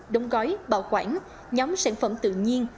đông gói bảo quản nhóm sản phẩm tự nhiên